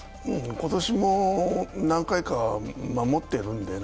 今年も何回か守ってるのでね、